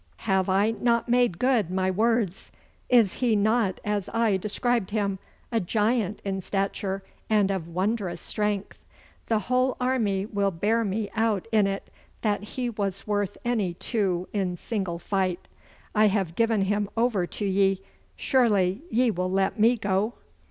Have I not made good my words? Is he not as I described him, a giant in stature and of wondrous strength? The whole army will bear me out in it, that he was worth any two in single fight. I have given him over to ye. Surely ye will let me go!